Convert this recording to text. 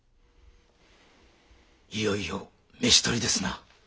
いよいよ召し捕りですな。